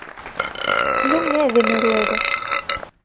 ¡Non é de Noruega!